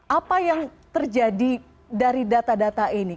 apa yang terjadi dari data data ini